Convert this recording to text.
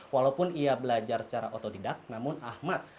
walaupun ia belajar secara otodidak namun ahmad